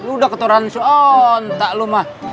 lu udah ketoran seontak lu mah